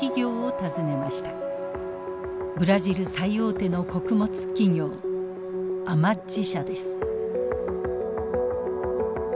ブラジル最大手の穀物企業アマッジ社です。